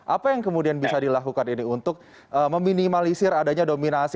apa yang kemudian bisa dilakukan ini untuk meminimalisir adanya dominasi